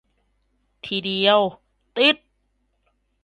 ทีเดียวติด